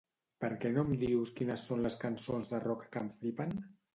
Per què no em dius quines són les cançons de rock que em flipen?